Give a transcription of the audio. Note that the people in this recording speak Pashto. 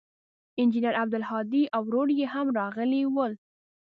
انجنیر عبدالهادي او ورور یې هم راغلي ول.